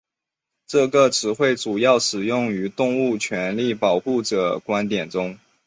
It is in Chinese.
这个词汇主要使用于动物权利保护者的观点中。